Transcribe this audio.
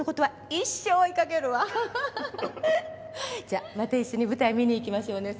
じゃあまた一緒に舞台見に行きましょうね。